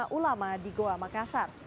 ulama di goa makassar